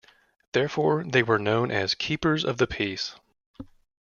Therefore, they were known as "keepers of the peace".